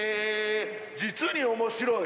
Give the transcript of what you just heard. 実に面白い！